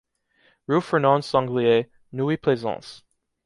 Rue Fernand Sanglier, Neuilly-Plaisance.